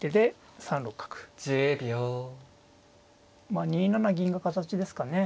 まあ２七銀が形ですかね。